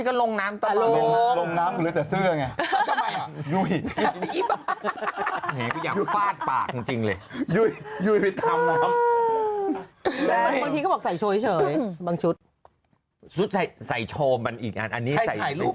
ก็ลงน้ำตอนนี้ลงน้ำหรือจะซื้อไงยุ่ยอยากฟาดปากจริงเลยยุ่ยไปทำบางทีก็บอกใส่ชัวร์เฉยบางชุดใส่ชมอีกอันนี้ไส่รูป